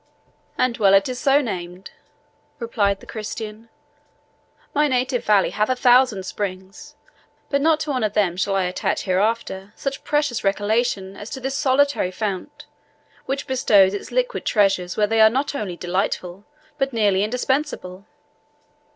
"And well is it so named," replied the Christian. "My native valley hath a thousand springs, but not to one of them shall I attach hereafter such precious recollection as to this solitary fount, which bestows its liquid treasures where they are not only delightful, but nearly indispensable."